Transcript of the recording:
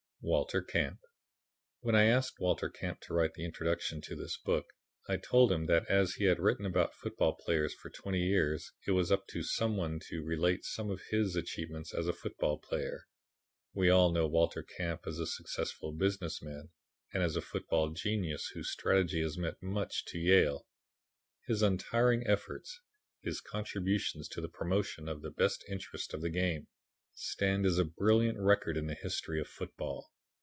Walter Camp When I asked Walter Camp to write the introduction to this book, I told him that as he had written about football players for twenty years it was up to some one to relate some of his achievements as a football player. We all know Walter Camp as a successful business man and as a football genius whose strategy has meant much to Yale. His untiring efforts, his contributions to the promotion of the best interests of the game, stand as a brilliant record in the history of football.